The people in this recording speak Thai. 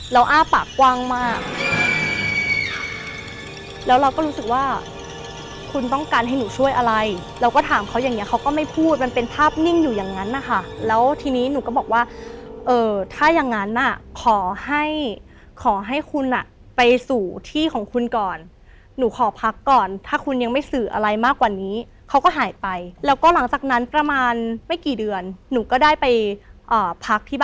แล้วอ้าปากกว้างมากแล้วเราก็รู้สึกว่าคุณต้องการให้หนูช่วยอะไรเราก็ถามเขาอย่างเงี้เขาก็ไม่พูดมันเป็นภาพนิ่งอยู่อย่างนั้นนะคะแล้วทีนี้หนูก็บอกว่าเอ่อถ้าอย่างงั้นอ่ะขอให้ขอให้คุณอ่ะไปสู่ที่ของคุณก่อนหนูขอพักก่อนถ้าคุณยังไม่สื่ออะไรมากกว่านี้เขาก็หายไปแล้วก็หลังจากนั้นประมาณไม่กี่เดือนหนูก็ได้ไปอ่าพักที่บ